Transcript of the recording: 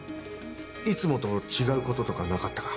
いつもと違うこととかなかったか？